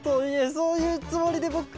そういうつもりでぼく。